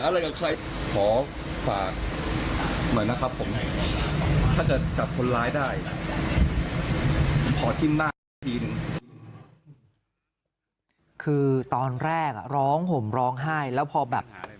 แล้วเขานึกได้ว่ามันเป็นอะไรนะครับ